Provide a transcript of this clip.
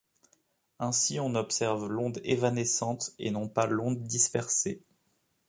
Ainsi, on observe l'onde évanescente et non pas l'onde dispersée.